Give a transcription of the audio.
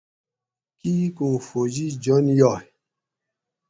کِیک اُوں فوجی جن یائے